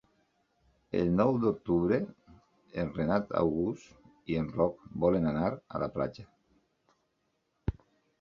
El nou d'octubre en Renat August i en Roc volen anar a la platja.